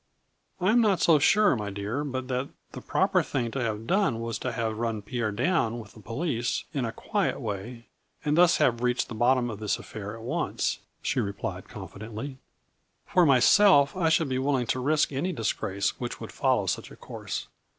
" I am not so sure, my dear, but that the proper thing to have done was to have run Pierre down with the police, in a quiet way, and thus have reached the bottom of this affair, at once." She replied confidently. " For myself, I should be willing to risk any disgrace which would follow such a course.